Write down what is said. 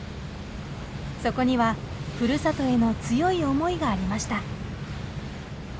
そこにはふるさとへの強い思いがありました。